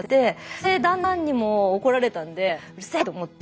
それで旦那さんにも怒られたんでうるせえと思って。